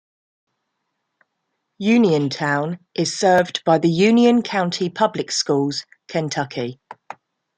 Uniontown is served by the Union County Public Schools, Kentucky.